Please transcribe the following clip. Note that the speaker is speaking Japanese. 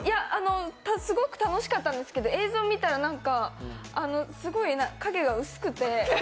すごく楽しかったんですけど、映像見たらすごい影が薄くて。